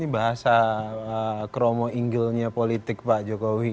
bahasa kromo inggilnya politik pak jokowi